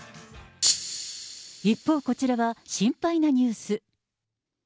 一方、こちらは心配なニュース。